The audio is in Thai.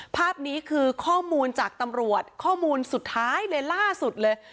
ภาพนี้คือข้อมูลจากตำรวจข้อมูลสุดท้ายเลยล่าสุดเลย